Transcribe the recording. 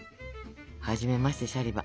はじめましてシャリバ。